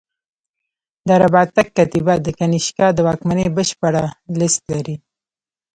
د رباطک کتیبه د کنیشکا د واکمنۍ بشپړه لېست لري